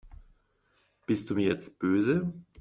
Bist du mir jetzt böse?